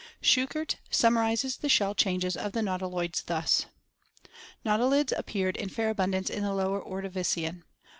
Schuchert summarizes the shell changes of the nautiloids thus: "Nautilids appeared in fair abundance in the Lower Ordovirian.